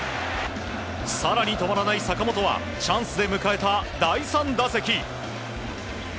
更に止まらない坂本はチャンスで迎えた第３打席。